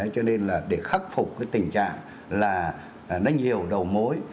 cho nên là để khắc phục cái tình trạng là nó nhiều đầu mối